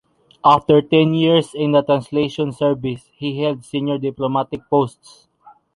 After ten years in the translation service, he held senior diplomatic posts.